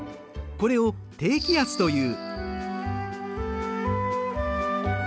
これを高気圧という。